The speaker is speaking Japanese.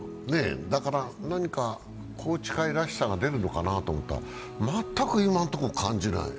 だから何か宏池会らしさが出るのかなと思ったら全く今のところ感じない。